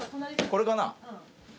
これかな？